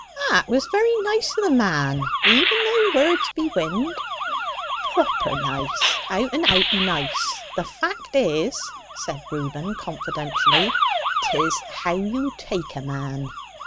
'" "That was very nice o' the man, even though words be wind." "Proper nice out and out nice. The fact is," said Reuben confidentially, "'tis how you take a man.